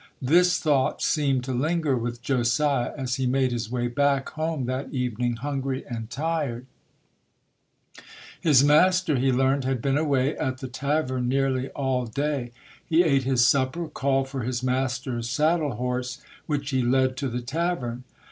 This thought seemed to linger with Josiah as he made his way back home that evening hungry and tired. 194 ] UNSUNG HEROES His master, he learned, had been away at the tavern nearly all day. He ate his supper, called for his master's saddle horse, which he led to the tavern.